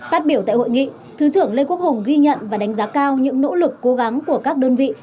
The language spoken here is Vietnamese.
phát biểu tại hội nghị thứ trưởng lê quốc hùng ghi nhận và đánh giá cao những nỗ lực cố gắng của các đơn vị